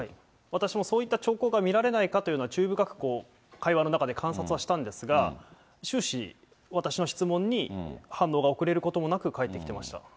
私もそういった兆候が見られないかというのは、注意深く会話の中で観察したんですが、終始、私の質問に反応が遅れることもなく返ってきました。